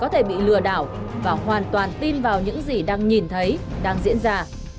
có thể bị lừa đảo và hoàn toàn tin vào những gì đang nhìn thấy đang diễn ra